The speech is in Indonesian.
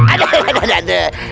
aduh aduh aduh